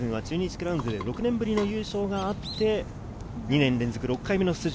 クラウンズで６年ぶりの優勝があって、２年連続６回目の出場。